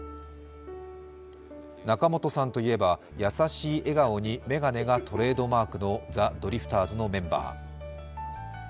仲本さんといえば、優しい笑顔に眼鏡がトレードマークのザ・ドリフターズのメンバー。